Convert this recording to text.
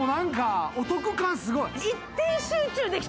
お得感すごい。